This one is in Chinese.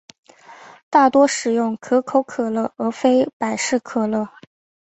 大多使用可口可乐而非百事可乐。